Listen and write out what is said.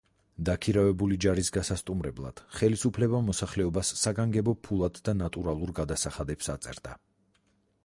დაქირავებული ჯარის გასასტუმრებლად ხელისუფლება მოსახლეობას საგანგებო ფულად და ნატურალურ გადასახადებს აწერდა.